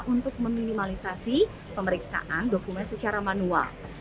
untuk meminimalisasi pemeriksaan dokumen secara manual